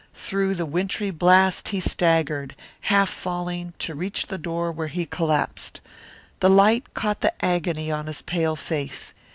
Through the wintry blast he staggered, half falling, to reach the door where he collapsed. The light caught the agony on his pale face.